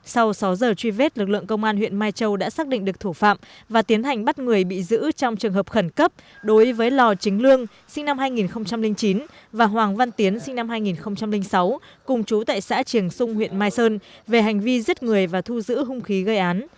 sau sáu giờ truy vết lực lượng công an huyện mai châu đã xác định được thủ phạm và tiến hành bắt người bị giữ trong trường hợp khẩn cấp đối với lò chính lương sinh năm hai nghìn chín và hoàng văn tiến sinh năm hai nghìn sáu cùng chú tại xã triềng xung huyện mai sơn về hành vi giết người và thu giữ hung khí gây án